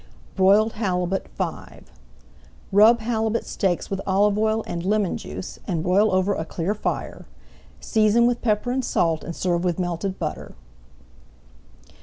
BROILED HALIBUT V Rub halibut steaks with olive oil and lemon juice, and broil over a clear fire. Season with pepper and salt and serve with melted butter.